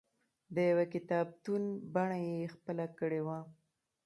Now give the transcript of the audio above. د یوه کتابتون بڼه یې خپله کړې وه.